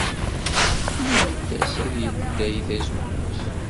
Nnant-as ad yeldey tazewwut.